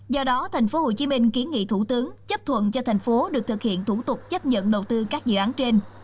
do đó tp hcm kiến nghị thủ tướng chấp thuận cho thành phố được thực hiện thủ tục chấp nhận đầu tư các dự án trên